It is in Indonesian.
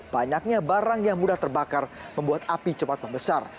banyaknya barang yang mudah terbakar membuat api cepat membesar